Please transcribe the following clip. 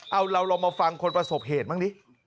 เอาเราลองมาฟังคนประสบเหตุบ้างดิ